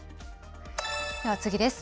では次です。